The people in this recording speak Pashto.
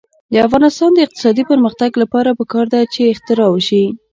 د افغانستان د اقتصادي پرمختګ لپاره پکار ده چې اختراع وشي.